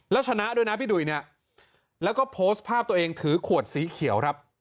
แล้วชนะด้วยนะพี่ดุ๋ยเนี่ยแล้วก็โพสต์ภาพตัวเองถือขวดสีเขียวครับ